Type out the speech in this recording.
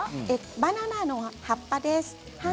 バナナの葉っぱです。